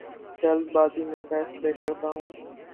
جلد بازی میں فیصلے کرتا ہوں